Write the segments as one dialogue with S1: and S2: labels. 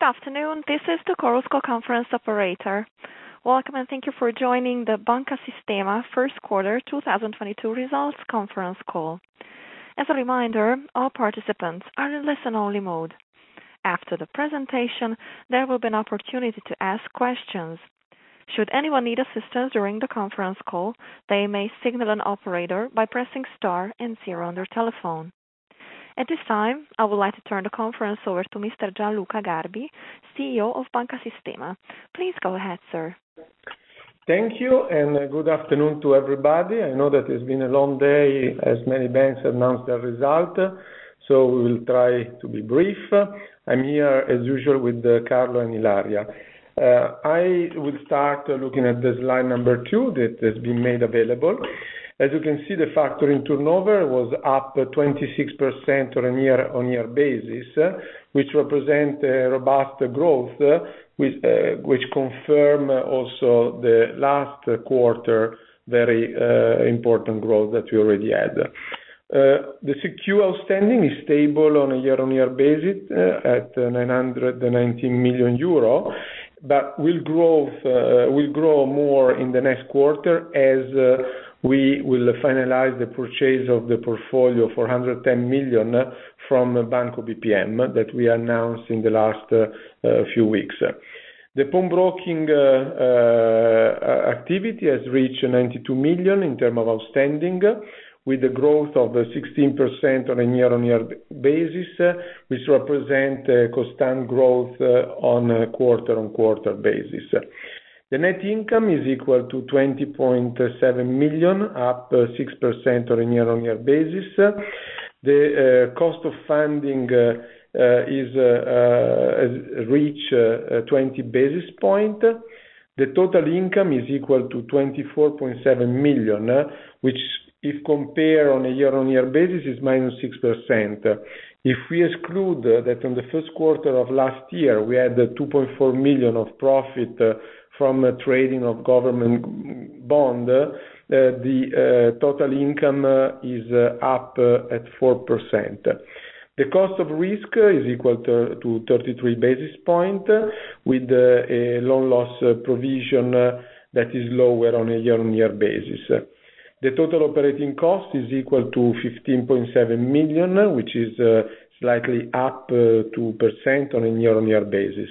S1: Good afternoon. This is the Chorus Call conference operator. Welcome, and thank you for joining the Banca Sistema first quarter 2022 results conference call. As a reminder, all participants are in listen-only mode. After the presentation, there will be an opportunity to ask questions. Should anyone need assistance during the conference call, they may signal an operator by pressing star and zero on their telephone. At this time, I would like to turn the conference over to Mr. Gianluca Garbi, CEO of Banca Sistema. Please go ahead, sir.
S2: Thank you, and good afternoon to everybody. I know that it's been a long day as many banks have announced their results, so we will try to be brief. I'm here, as usual, with Carlo and Ilaria. I will start looking at the slide number two that has been made available. As you can see, the factoring turnover was up 26% on a year-on-year basis, which represents robust growth, which confirms also the last quarter's very important growth that we already had. The CQ outstanding is stable on a year-on-year basis at 919 million euro, but will grow more in the next quarter as we will finalize the purchase of the portfolio of 410 million from Banco BPM that we announced in the last few weeks. The Pawnbroking activity has reached 92 million in terms of outstanding, with a growth of 16% on a year-on-year basis, which represents constant growth on a quarter-on-quarter basis. The net income is equal to 20.7 million, up 6% on a year-on-year basis. The cost of funding has reached 20 basis points. The total income is equal to 24.7 million, which, if compared on a year-on-year basis, is -6%. If we exclude that in the first quarter of last year we had 2.4 million of profit from trading of government bonds, the total income is up at 4%. The cost of risk is equal to 33 basis points, with a loan loss provision that is lower on a year-on-year basis. The total operating cost is equal to 15.7 million, which is slightly up 2% on a year-on-year basis.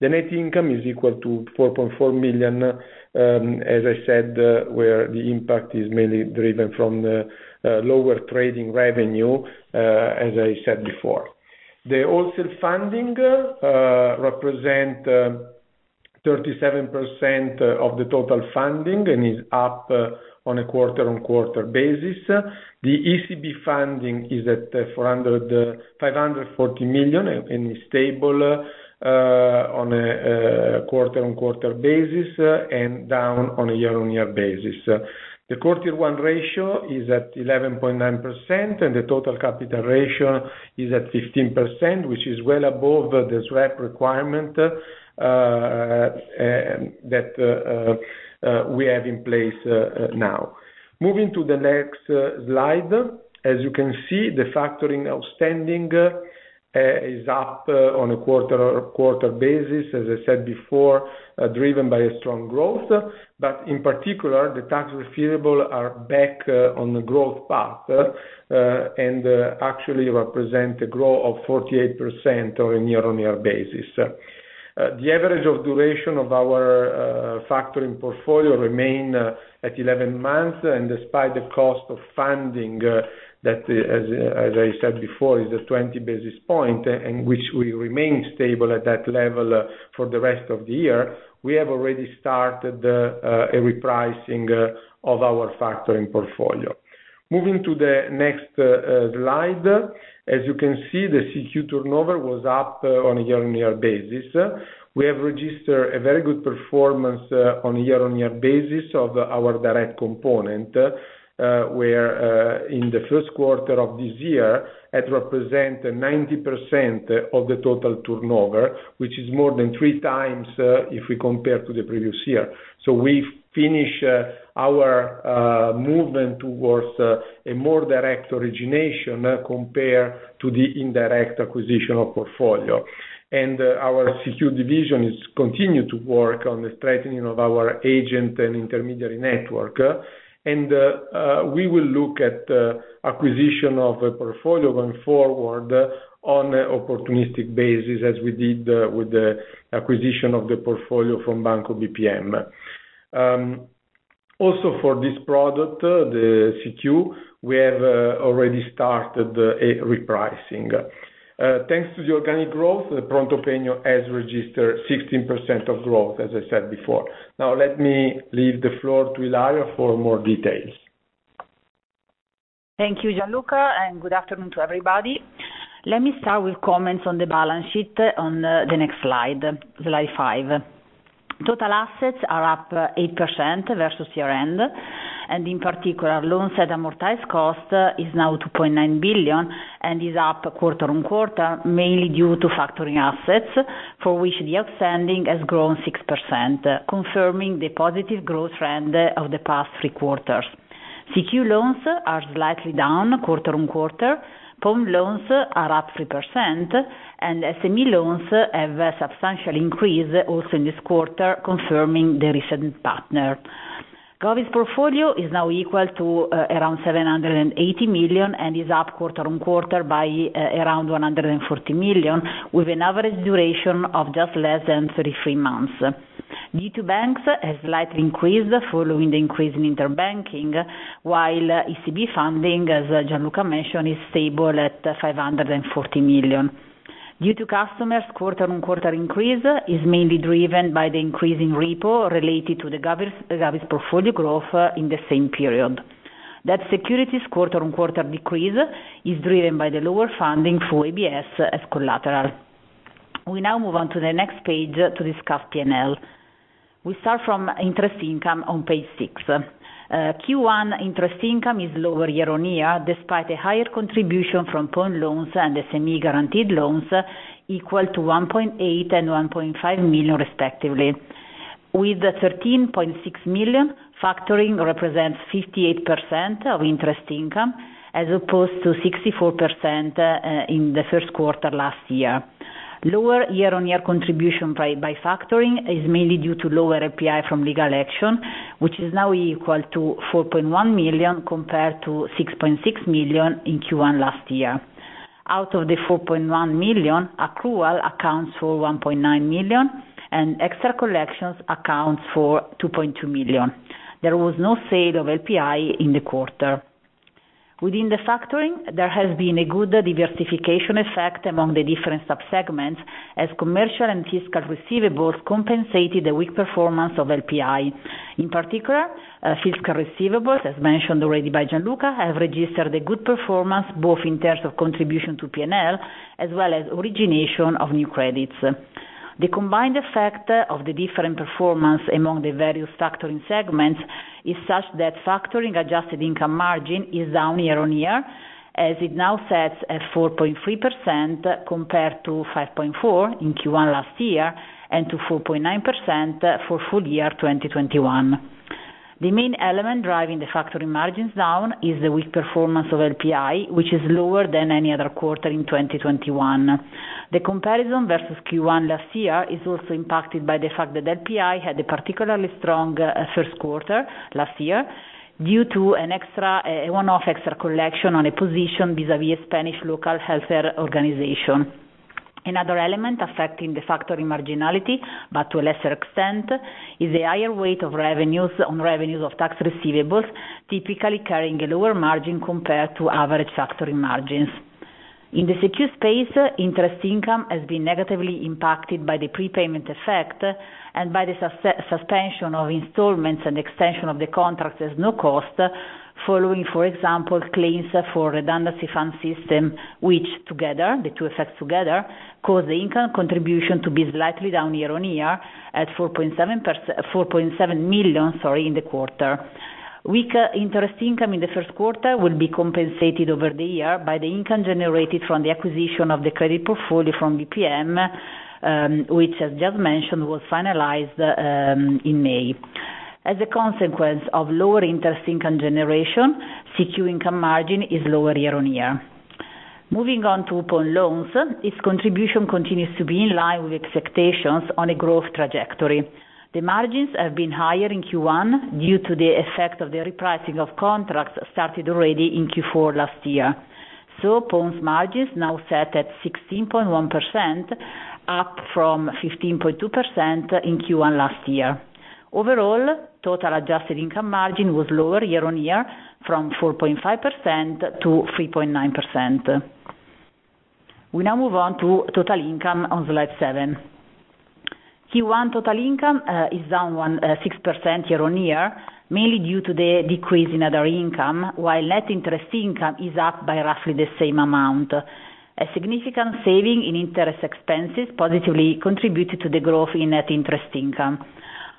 S2: The net income is equal to 4.4 million, as I said, where the impact is mainly driven from lower trading revenue, as I said before. The wholesale funding represents 37% of the total funding and is up on a quarter-on-quarter basis. The ECB funding is at 540 million and is stable on a quarter-on-quarter basis and down on a year-on-year basis. The CET1 ratio is at 11.9%, and the total capital ratio is at 15%, which is well above the SREP requirement that we have in place now. Moving to the next slide, as you can see, the factoring outstanding is up on a quarter-on-quarter basis, as I said before, driven by a strong growth. But in particular, the tax refundables are back on the growth path and actually represent a growth of 48% on a year-on-year basis. The average duration of our factoring portfolio remains at 11 months, and despite the cost of funding that, as I said before, is at 20 basis points and which remains stable at that level for the rest of the year, we have already started a repricing of our factoring portfolio. Moving to the next slide, as you can see, the CQ turnover was up on a year-on-year basis. We have registered a very good performance on a year-on-year basis of our direct component, where in the first quarter of this year, it represents 90% of the total turnover, which is more than 3x if we compare to the previous year. So we finish our movement towards a more direct origination compared to the indirect acquisition of portfolio. Our CQ division continues to work on the strengthening of our agent and intermediary network, and we will look at acquisition of a portfolio going forward on an opportunistic basis, as we did with the acquisition of the portfolio from Banco BPM. Also, for this product, the CQ, we have already started a repricing. Thanks to the organic growth, the ProntoPegno has registered 16% of growth, as I said before. Now, let me leave the floor to Ilaria for more details.
S3: Thank you, Gianluca, and good afternoon to everybody. Let me start with comments on the balance sheet on the next slide, slide five. Total assets are up 8% versus year-end, and in particular, loans at amortized cost is now 2.9 billion and is up quarter-over-quarter, mainly due to factoring assets, for which the outstanding has grown 6%, confirming the positive growth trend of the past three quarters. CQ loans are slightly down quarter-over-quarter. Pawn loans are up 3%, and SME loans have a substantial increase also in this quarter, confirming the recent pattern. Govies portfolio is now equal to around 780 million and is up quarter-over-quarter by around 140 million, with an average duration of just less than 33 months. Due to banks have slightly increased following the increase in interbanking, while ECB funding, as Gianluca mentioned, is stable at 540 million. Due to customers' quarter-on-quarter increase is mainly driven by the increasing repos related to the Govies portfolio growth in the same period. Debt securities' quarter-on-quarter decrease is driven by the lower funding for ABS as collateral. We now move on to the next page to discuss P&L. We start from interest income on page six. Q1 interest income is lower year-on-year despite a higher contribution from pawn loans and SME guaranteed loans, equal to 1.8 million and 1.5 million, respectively. With 13.6 million, factoring represents 58% of interest income as opposed to 64% in the first quarter last year. Lower year-on-year contribution by factoring is mainly due to lower LPI from legal action, which is now equal to 4.1 million compared to 6.6 million in Q1 last year. Out of the 4.1 million, accrual accounts for 1.9 million, and extra collections accounts for 2.2 million. There was no sale of LPI in the quarter. Within the factoring, there has been a good diversification effect among the different subsegments as commercial and fiscal receivables compensated the weak performance of LPI. In particular, fiscal receivables, as mentioned already by Gianluca, have registered a good performance both in terms of contribution to P&L as well as origination of new credits. The combined effect of the different performance among the various factoring segments is such that factoring adjusted income margin is down year-on-year, as it now sets at 4.3% compared to 5.4% in Q1 last year and to 4.9% for full year 2021. The main element driving the factoring margins down is the weak performance of LPI, which is lower than any other quarter in 2021. The comparison versus Q1 last year is also impacted by the fact that LPI had a particularly strong first quarter last year due to one-off extra collection on a position vis-à-vis a Spanish local healthcare organization. Another element affecting the factoring marginality, but to a lesser extent, is the higher weight of revenues on revenues of tax receivables, typically carrying a lower margin compared to average factoring margins. In the secure space, interest income has been negatively impacted by the prepayment effect and by the suspension of installments and extension of the contracts at no cost following, for example, claims for redundancy fund system, which together, the two effects together, caused the income contribution to be slightly down year-on-year at 4.7 million in the quarter. Weak interest income in the first quarter will be compensated over the year by the income generated from the acquisition of the credit portfolio from BPM, which, as just mentioned, was finalized in May. As a consequence of lower interest income generation, CQ income margin is lower year-on-year. Moving on to pawn loans, its contribution continues to be in line with expectations on a growth trajectory. The margins have been higher in Q1 due to the effect of the repricing of contracts started already in Q4 last year. So pawn's margin is now set at 16.1%, up from 15.2% in Q1 last year. Overall, total adjusted income margin was lower year-on-year from 4.5% to 3.9%. We now move on to total income on slide seven. Q1 total income is down 6% year-on-year, mainly due to the decrease in other income, while net interest income is up by roughly the same amount. A significant saving in interest expenses positively contributed to the growth in net interest income.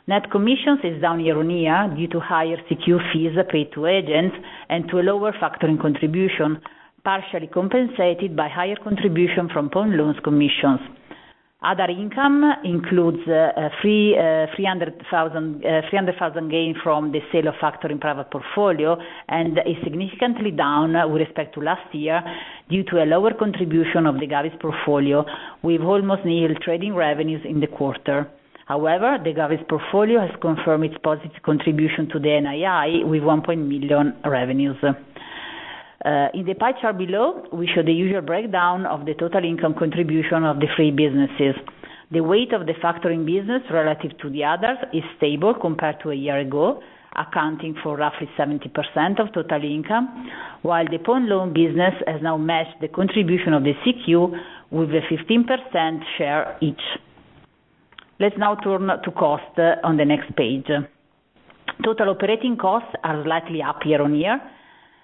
S3: Net commissions are down year-on-year due to higher CQ fees paid to agents and to a lower factoring contribution, partially compensated by higher contribution from pawn loans commissions. Other income includes 300,000 gain from the sale of factoring private portfolio and is significantly down with respect to last year due to a lower contribution of the Govies portfolio, with almost nil trading revenues in the quarter. However, the Govies portfolio has confirmed its positive contribution to the NII with 1.0 million revenues. In the pie chart below, we show the usual breakdown of the total income contribution of the three businesses. The weight of the factoring business relative to the others is stable compared to a year ago, accounting for roughly 70% of total income, while the pawn loan business has now matched the contribution of the CQ with a 15% share each. Let's now turn to costs on the next page. Total operating costs are slightly up year-on-year,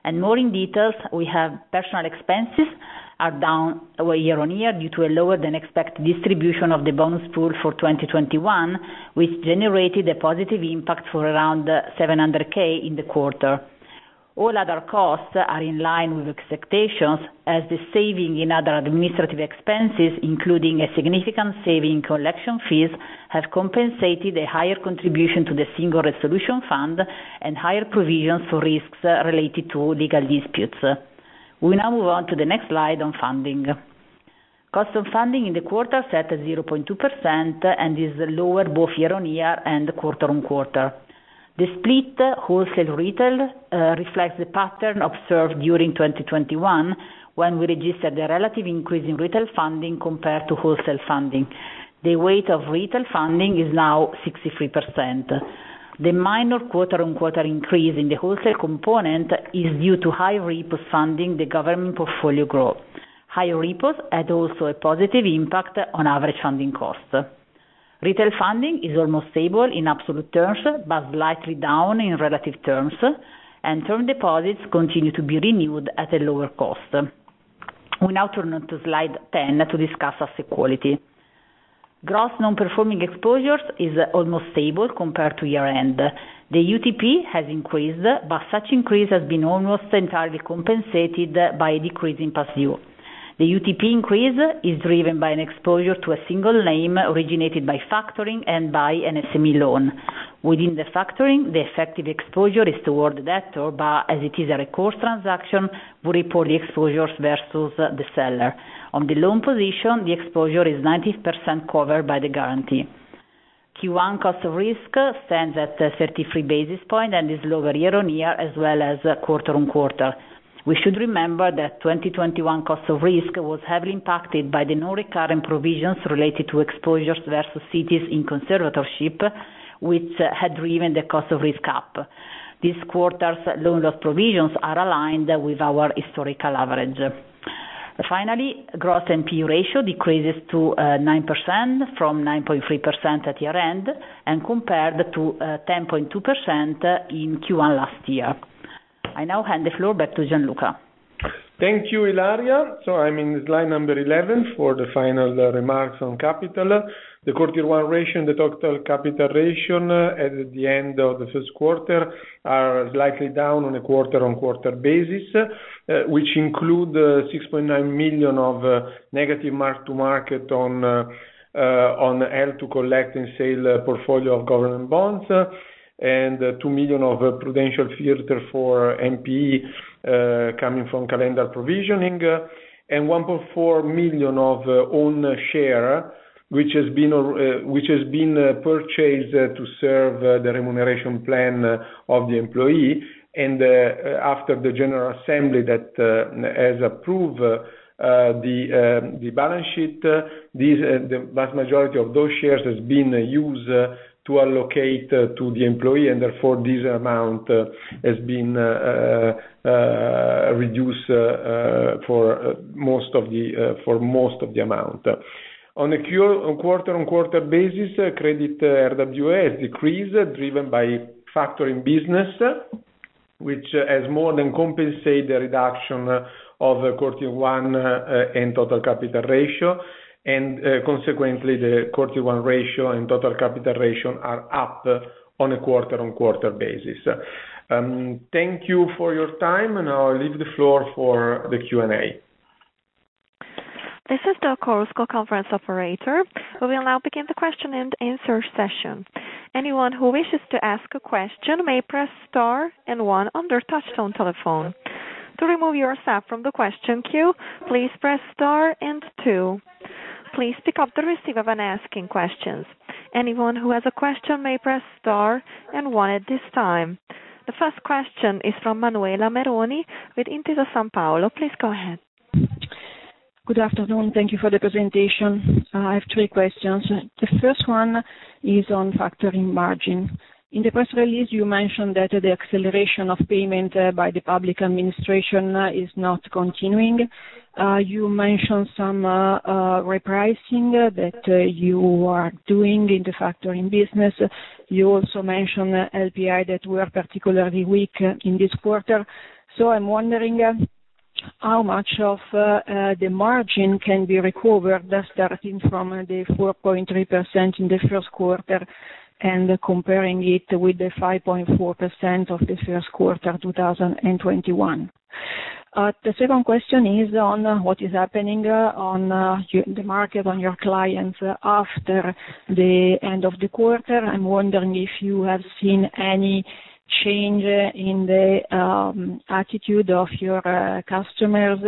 S3: and more in detail, we have personal expenses are down year-on-year due to a lower-than-expected distribution of the bonus pool for 2021, which generated a positive impact for around 700,000 in the quarter. All other costs are in line with expectations, as the saving in other administrative expenses, including a significant saving in collection fees, have compensated a higher contribution to the Single Resolution Fund and higher provisions for risks related to legal disputes. We now move on to the next slide on funding. Cost of funding in the quarter is set at 0.2% and is lower both year-on-year and quarter-on-quarter. The split wholesale/retail reflects the pattern observed during 2021 when we registered a relative increase in retail funding compared to wholesale funding. The weight of retail funding is now 63%. The minor quarter-on-quarter increase in the wholesale component is due to high repos funding the government portfolio growth. High repos had also a positive impact on average funding costs. Retail funding is almost stable in absolute terms but slightly down in relative terms, and term deposits continue to be renewed at a lower cost. We now turn to slide 10 to discuss asset quality. Gross non-performing exposures are almost stable compared to year-end. The UTP has increased, but such increase has been almost entirely compensated by a decrease in past due. The UTP increase is driven by an exposure to a single name originated by factoring and by an SME loan. Within the factoring, the effective exposure is toward the debtor, but as it is a record transaction, we report the exposures versus the seller. On the loan position, the exposure is 90% covered by the guarantee. Q1 cost of risk stands at 33 basis points and is lower year-on-year as well as quarter-on-quarter. We should remember that 2021 cost of risk was heavily impacted by the non-recurring provisions related to exposures versus cities in conservatorship, which had driven the cost of risk up. This quarter's loan loss provisions are aligned with our historical average. Finally, gross NPE ratio decreases to 9% from 9.3% at year-end and compared to 10.2% in Q1 last year. I now hand the floor back to Gianluca.
S2: Thank you, Ilaria. I'm in slide 11 for the final remarks on capital. The CET1 ratio, the total capital ratio at the end of the first quarter, are slightly down on a quarter-on-quarter basis, which include 6.9 million of negative mark-to-market on HTCS portfolio of government bonds and 2 million of prudential filter for NPE coming from calendar provisioning and 1.4 million of own shares, which has been purchased to serve the remuneration plan of the employee. After the general assembly that has approved the balance sheet, the vast majority of those shares has been used to allocate to the employee, and therefore, this amount has been reduced for most of the amount. On a quarter-on-quarter basis, credit RWA has decreased, driven by factoring business, which has more than compensated the reduction of CET1 and total capital ratio. Consequently, the CET1 ratio and total capital ratio are up on a quarter-over-quarter basis. Thank you for your time. Now, I leave the floor for the Q&A.
S1: This is the Chorus Call conference operator. We will now begin the question-and-answer session. Anyone who wishes to ask a question may press star and one on their touch-tone telephone. To remove yourself from the question queue, please press star and two. Please pick up the receiver when asking questions. Anyone who has a question may press star and one at this time. The first question is from Manuela Meroni with Intesa Sanpaolo. Please go ahead.
S4: Good afternoon. Thank you for the presentation. I have three questions. The first one is on factoring margin. In the press release, you mentioned that the acceleration of payment by the public administration is not continuing. You mentioned some repricing that you are doing in the factoring business. You also mentioned LPI that were particularly weak in this quarter. So I'm wondering how much of the margin can be recovered starting from the 4.3% in the first quarter and comparing it with the 5.4% of the first quarter 2021. The second question is on what is happening on the market, on your clients after the end of the quarter. I'm wondering if you have seen any change in the attitude of your customers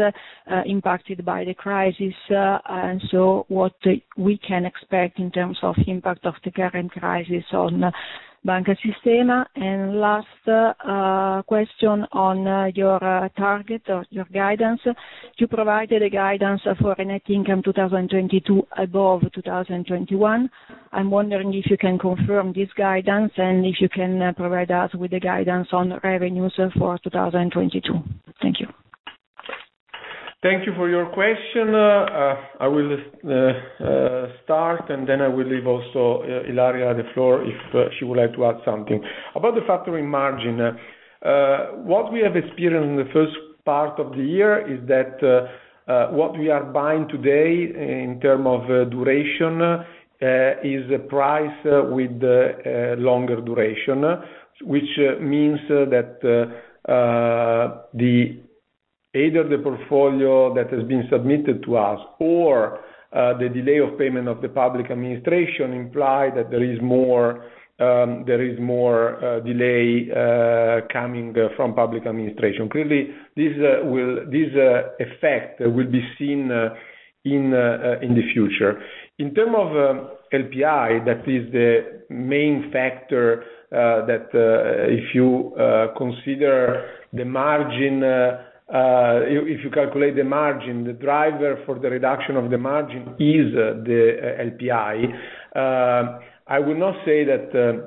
S4: impacted by the crisis and so what we can expect in terms of impact of the current crisis on Banca Sistema. Last question on your target or your guidance. You provided a guidance for net income 2022 above 2021. I'm wondering if you can confirm this guidance and if you can provide us with the guidance on revenues for 2022? Thank you.
S2: Thank you for your question. I will start, and then I will leave also Ilaria the floor if she would like to add something. About the factoring margin, what we have experienced in the first part of the year is that what we are buying today in terms of duration is receivables with longer duration, which means that either the portfolio that has been submitted to us or the delay of payment of the public administration imply that there is more delay coming from public administration. Clearly, this effect will be seen in the future. In terms of LPI, that is the main factor that if you consider the margin, if you calculate the margin, the driver for the reduction of the margin is the LPI. I will not say that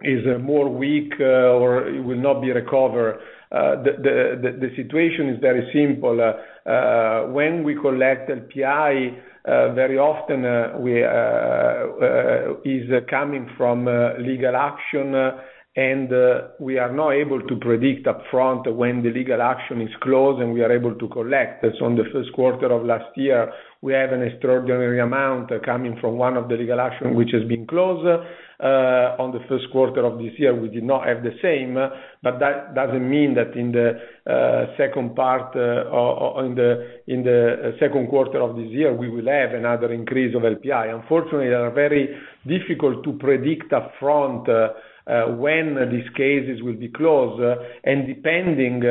S2: it is more weak or it will not be recovered. The situation is very simple. When we collect LPI, very often it is coming from legal action, and we are not able to predict upfront when the legal action is closed and we are able to collect. So in the first quarter of last year, we have an extraordinary amount coming from one of the legal actions, which has been closed. On the first quarter of this year, we did not have the same. But that doesn't mean that in the second part or in the second quarter of this year, we will have another increase of LPI. Unfortunately, it is very difficult to predict upfront when these cases will be closed. And depending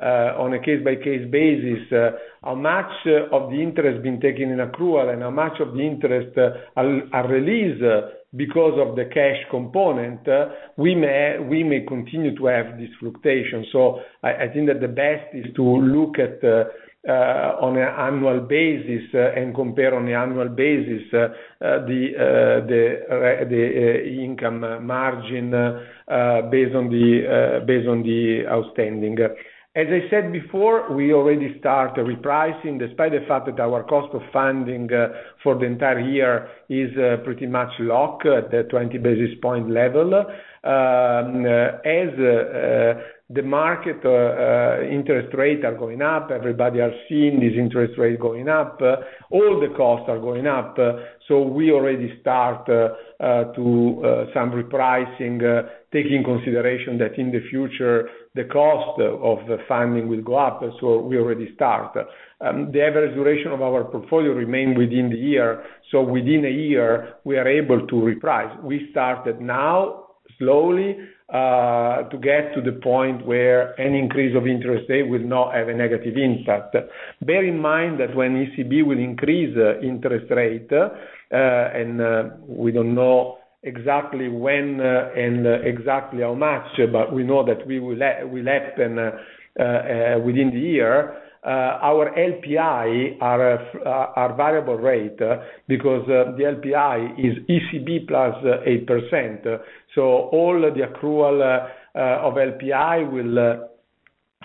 S2: on a case-by-case basis, how much of the interest has been taken in accrual and how much of the interest are released because of the cash component, we may continue to have this fluctuation. So I think that the best is to look at on an annual basis and compare on an annual basis the income margin based on the outstanding. As I said before, we already started repricing despite the fact that our cost of funding for the entire year is pretty much locked at the 20 basis point level. As the market interest rates are going up, everybody is seeing these interest rates going up, all the costs are going up. So we already start some repricing, taking into consideration that in the future, the cost of funding will go up. So we already start. The average duration of our portfolio remains within the year. So within a year, we are able to reprice. We started now slowly to get to the point where any increase of interest rate will not have a negative impact. Bear in mind that when ECB will increase interest rate, and we don't know exactly when and exactly how much, but we know that it will happen within the year, our LPI are variable rate because the LPI is ECB +8%. So all the accrual of LPI will,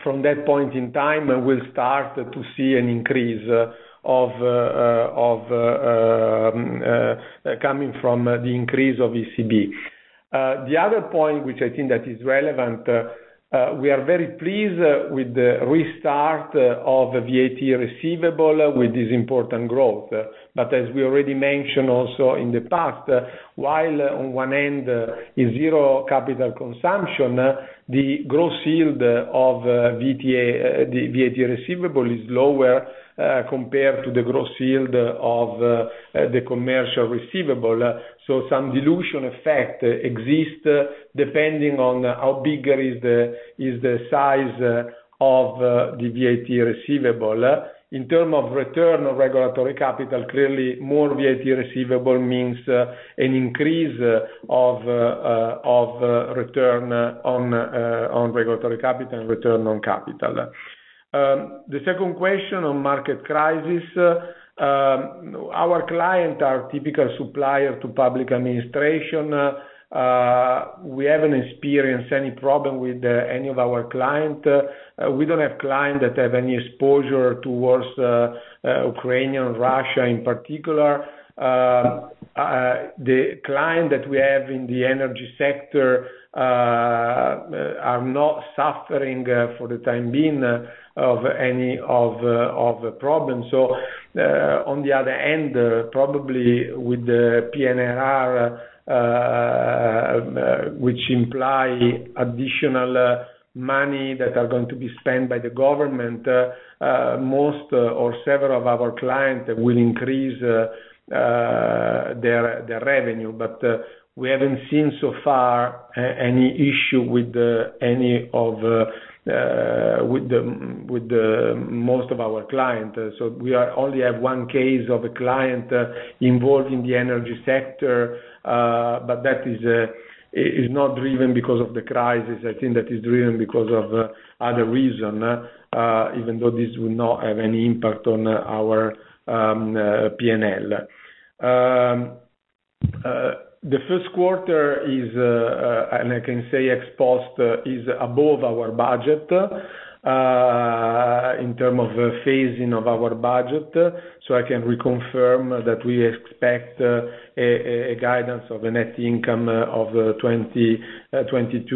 S2: from that point in time, start to see an increase coming from the increase of ECB. The other point, which I think that is relevant, we are very pleased with the restart of VAT receivable with this important growth. But as we already mentioned also in the past, while on one end is zero capital consumption, the gross yield of VAT receivable is lower compared to the gross yield of the commercial receivable. So some dilution effect exists depending on how big is the size of the VAT receivable. In terms of return on regulatory capital, clearly, more VAT receivable means an increase of return on regulatory capital and return on capital. The second question on market crisis. Our clients are typical suppliers to public administration. We haven't experienced any problem with any of our clients. We don't have clients that have any exposure towards Ukraine and Russia in particular. The clients that we have in the energy sector are not suffering for the time being of any of the problems. So on the other end, probably with the PNRR, which implies additional money that is going to be spent by the government, most or several of our clients will increase their revenue. But we haven't seen so far any issue with most of our clients. So we only have one case of a client involved in the energy sector, but that is not driven because of the crisis. I think that is driven because of other reasons, even though this will not have any impact on our PNL. The first quarter is, and I can say ex post, above our budget in terms of phasing of our budget. So I can reconfirm that we expect a guidance of a net income of 2022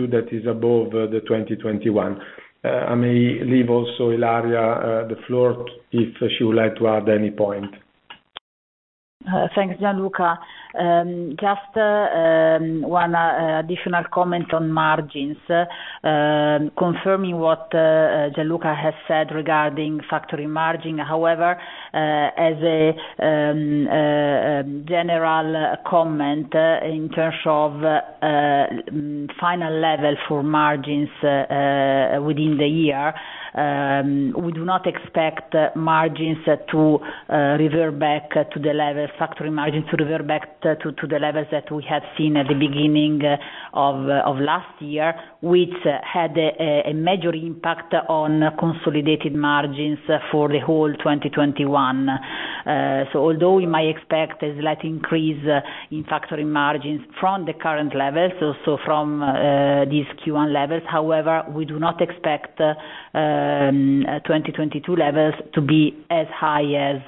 S2: that is above the 2021. I may leave also Ilaria the floor if she would like to add any point.
S3: Thanks, Gianluca. Just one additional comment on margins. Confirming what Gianluca has said regarding factoring margin. However, as a general comment in terms of final level for margins within the year, we do not expect margins to revert back to the levels, factoring margins to revert back to the levels that we have seen at the beginning of last year, which had a major impact on consolidated margins for the whole 2021. So although we might expect a slight increase in factoring margins from the current levels, also from these Q1 levels, however, we do not expect 2022 levels to be as high as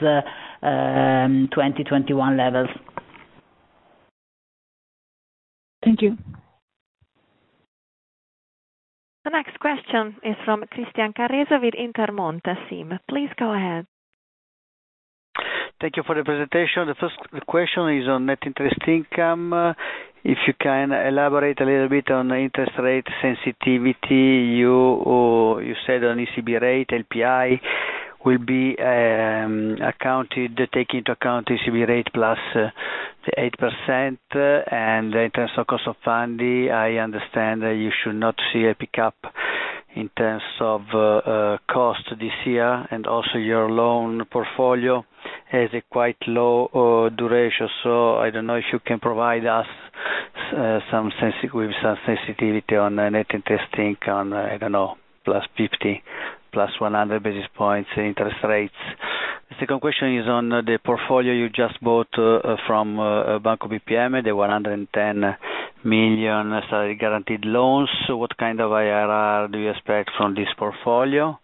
S3: 2021 levels.
S4: Thank you.
S1: The next question is from Christian Carrese with Intermonte SIM. Please go ahead.
S5: Thank you for the presentation. The first question is on net interest income. If you can elaborate a little bit on interest rate sensitivity, you said on ECB rate, LPI will be accounted, taking into account ECB rate plus the 8%. And in terms of cost of funding, I understand that you should not see a pickup in terms of cost this year. And also, your loan portfolio has a quite low duration. So I don't know if you can provide us with some sensitivity on net interest income, I don't know, +50, +100 basis points interest rates. The second question is on the portfolio you just bought from Banco BPM, the 110 million CQ-guaranteed loans. What kind of IRR do you expect from this portfolio?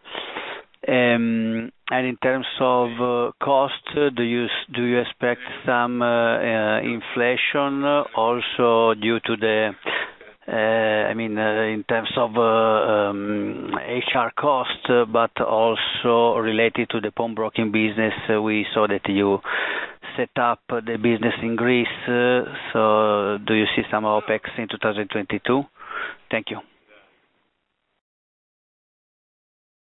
S5: And in terms of cost, do you expect some inflation also due to the, I mean, in terms of HR cost, but also related to the pawnbroking business? We saw that you set up the business in Greece. So do you see some OpEx in 2022? Thank you.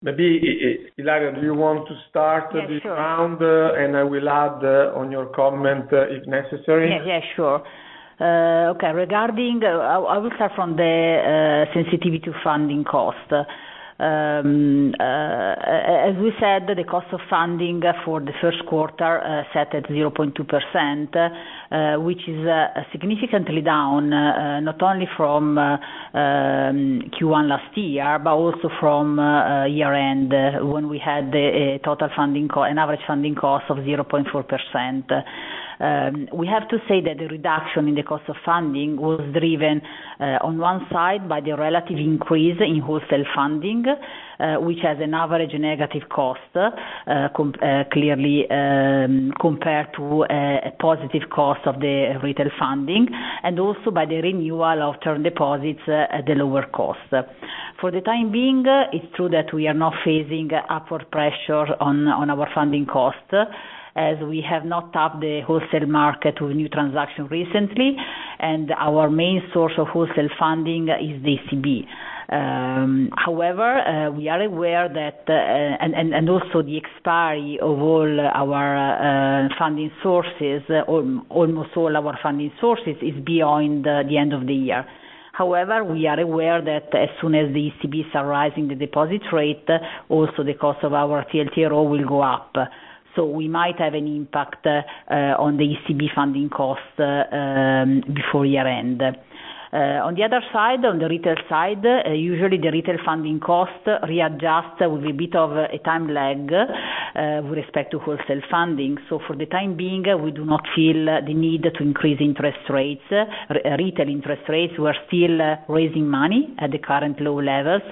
S2: Maybe, Ilaria, do you want to start the round?
S3: Yes, sure.
S2: I will add on your comment if necessary.
S3: Yes, yes, sure. Okay. I will start from the sensitivity to funding cost. As we said, the cost of funding for the first quarter set at 0.2%, which is significantly down not only from Q1 last year but also from year-end when we had an average funding cost of 0.4%. We have to say that the reduction in the cost of funding was driven, on one side, by the relative increase in wholesale funding, which has an average negative cost, clearly, compared to a positive cost of the retail funding, and also by the renewal of term deposits at the lower cost. For the time being, it's true that we are not facing upward pressure on our funding cost as we have not tapped the wholesale market with new transactions recently. And our main source of wholesale funding is the ECB. However, we are aware that and also, the expiry of all our funding sources, almost all our funding sources, is beyond the end of the year. However, we are aware that as soon as the ECB is raising the deposit rate, also, the cost of our TLTRO will go up. So we might have an impact on the ECB funding cost before year-end. On the other side, on the retail side, usually, the retail funding cost readjusts with a bit of a time lag with respect to wholesale funding. So for the time being, we do not feel the need to increase retail interest rates. We are still raising money at the current low levels.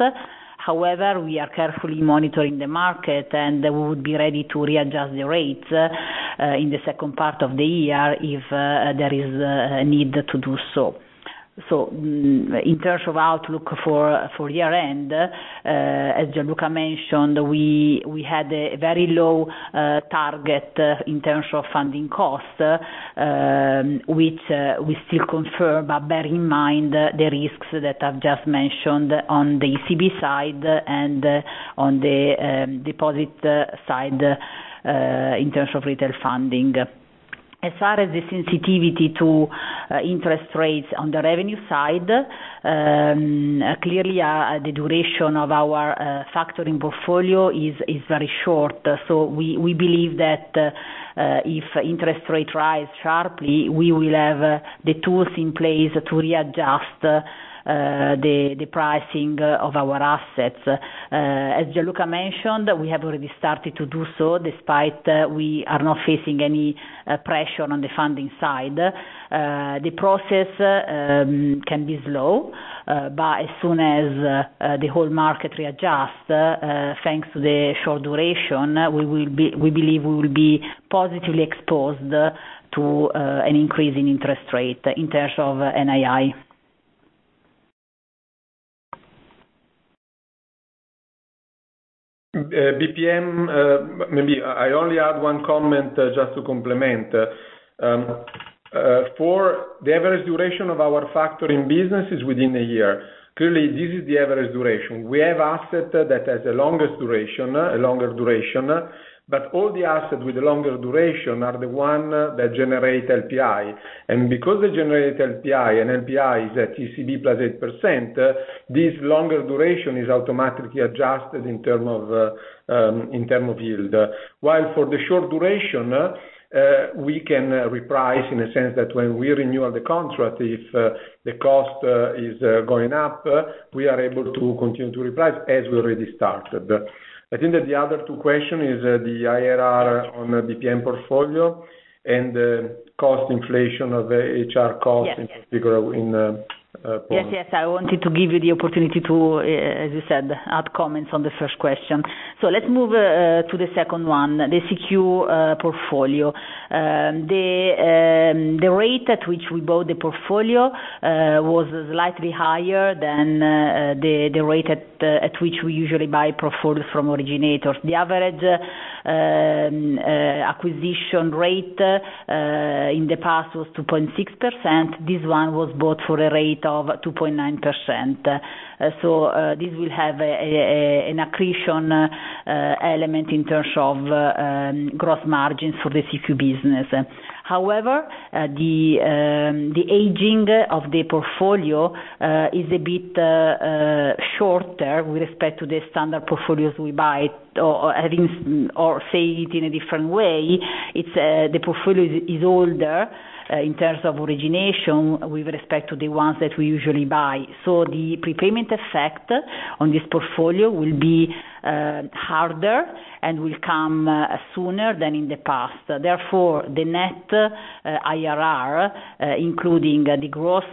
S3: However, we are carefully monitoring the market, and we would be ready to readjust the rates in the second part of the year if there is a need to do so. So in terms of outlook for year-end, as Gianluca mentioned, we had a very low target in terms of funding cost, which we still confirm. But bear in mind the risks that I've just mentioned on the ECB side and on the deposit side in terms of retail funding. As far as the sensitivity to interest rates on the revenue side, clearly, the duration of our factoring portfolio is very short. So we believe that if interest rates rise sharply, we will have the tools in place to readjust the pricing of our assets. As Gianluca mentioned, we have already started to do so despite we are not facing any pressure on the funding side. The process can be slow. But as soon as the whole market readjusts, thanks to the short duration, we believe we will be positively exposed to an increase in interest rate in terms of NII.
S2: Maybe I only add one comment just to complement. For the average duration of our factoring business is within a year. Clearly, this is the average duration. We have assets that have a longer duration, but all the assets with a longer duration are the ones that generate LPI. And because they generate LPI, and LPI is at ECB +8%, this longer duration is automatically adjusted in terms of yield. While for the short duration, we can reprice in a sense that when we renew the contract, if the cost is going up, we are able to continue to reprice as we already started. I think that the other two questions are the IRR on the BPM portfolio and the cost inflation of HR cost in particular in.
S3: Yes, yes. I wanted to give you the opportunity to, as you said, add comments on the first question. So let's move to the second one, the CQ portfolio. The rate at which we bought the portfolio was slightly higher than the rate at which we usually buy portfolios from originators. The average acquisition rate in the past was 2.6%. This one was bought for a rate of 2.9%. So this will have an accretion element in terms of gross margins for the CQ business. However, the aging of the portfolio is a bit shorter with respect to the standard portfolios we buy. Or say it in a different way, the portfolio is older in terms of origination with respect to the ones that we usually buy. So the prepayment effect on this portfolio will be harder and will come sooner than in the past. Therefore, the net IRR, including the gross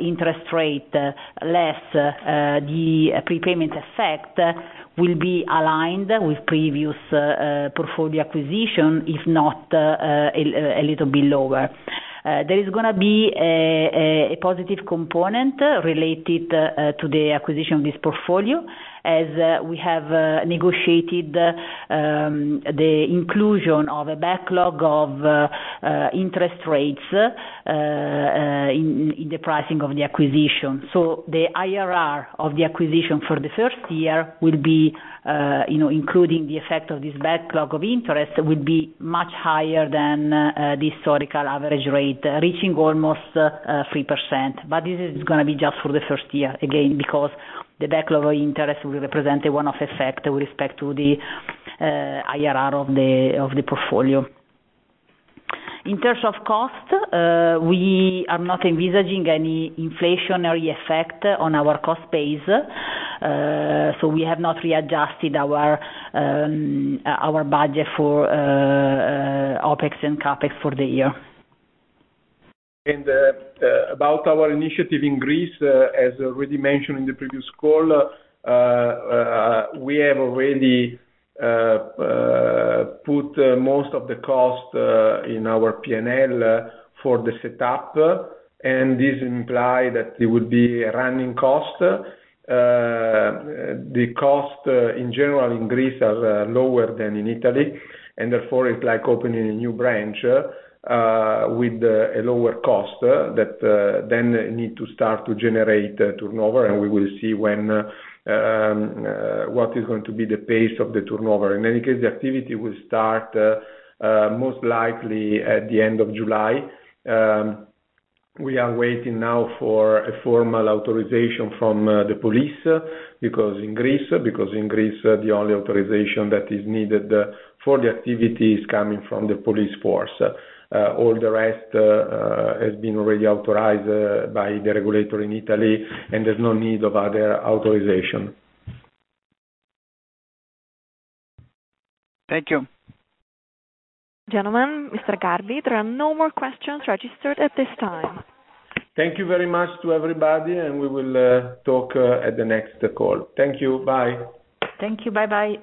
S3: interest rate, less the prepayment effect, will be aligned with previous portfolio acquisition, if not a little bit lower. There is going to be a positive component related to the acquisition of this portfolio as we have negotiated the inclusion of a backlog of interest rates in the pricing of the acquisition. So the IRR of the acquisition for the first year, including the effect of this backlog of interest, will be much higher than the historical average rate, reaching almost 3%. But this is going to be just for the first year, again, because the backlog of interest will represent a one-off effect with respect to the IRR of the portfolio. In terms of cost, we are not envisaging any inflationary effect on our cost base. So we have not readjusted our budget for OpEx and CapEx for the year.
S2: About our initiative in Greece, as already mentioned in the previous call, we have already put most of the cost in our PNL for the setup. This implies that it will be a running cost. The cost, in general, in Greece are lower than in Italy. Therefore, it's like opening a new branch with a lower cost that then needs to start to generate turnover. We will see what is going to be the pace of the turnover. In any case, the activity will start most likely at the end of July. We are waiting now for a formal authorization from the police in Greece because in Greece, the only authorization that is needed for the activity is coming from the police force. All the rest has been already authorized by the regulator in Italy. There's no need of other authorization. Thank you.
S1: Gentlemen, Mr. Garbi, there are no more questions registered at this time.
S2: Thank you very much to everybody. We will talk at the next call. Thank you. Bye.
S3: Thank you. Bye-bye.